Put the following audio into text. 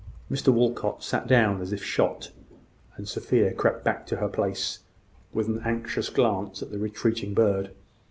Mr Walcot sat down as if shot; and Sophia crept back to her place, with an anxious glance at the retreating bird.